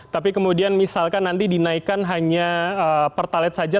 tapi kemudian misalkan nanti dinaikkan hanya pertalet saja